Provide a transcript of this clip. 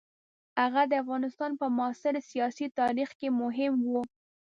هغه د افغانستان په معاصر سیاسي تاریخ کې مهم وو.